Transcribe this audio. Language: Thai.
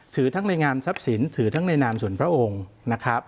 ถือทั้งในงานทรัพย์สินถือทั้งในนามส่วนพระองค์นะครับ